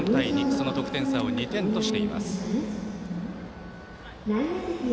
その得点差を２点としています。